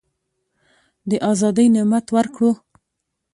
د آزادی نعمت ورکړو.